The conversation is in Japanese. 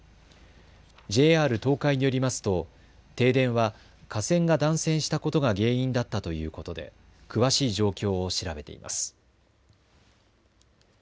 ＪＲ東海によりますと停電は架線が断線したことが原因だったということで詳しい状況を調べています。